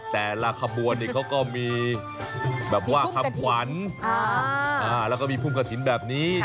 แต่ละขบวนนี่เขาก็มีแบบว่าคำขวัญแล้วก็มีพุ่มกระถิ่นแบบนี้